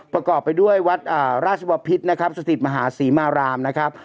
ประกอบไปด้วยวัดราชบพิษนะครับสถิตมหาศรีมารามนะครับ